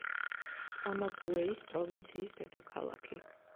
კამაგუეის პროვინციის დედაქალაქი.